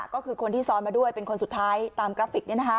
ก็คือคนที่ซ้อนมาด้วยเป็นคนสุดท้ายตามกราฟิก